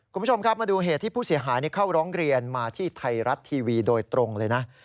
คุณผู้ชมครับมาดูเหตุที่ผู้เสียหายเข้าร้องเรียนมาที่ไทยรัฐทีวีโดยตรงเลยนะ